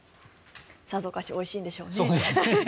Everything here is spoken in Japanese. さぞかしおいしいんでしょうね。